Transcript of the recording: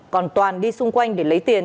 còn toàn đi xung quanh để lấy tiền